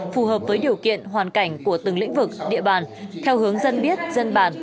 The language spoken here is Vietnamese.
phù hợp với điều kiện hoàn cảnh của từng lĩnh vực địa bàn theo hướng dân biết dân bàn